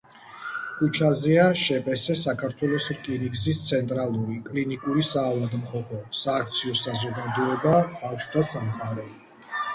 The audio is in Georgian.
ქუჩაზეა შპს საქართველოს რკინიგზის ცენტრალური კლინიკური საავადმყოფო, სააქციო საზოგადოება „ბავშვთა სამყარო“.